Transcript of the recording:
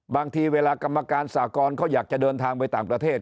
บางทีเวลากรรมการสากรเขาอยากจะเดินทางไปต่างประเทศ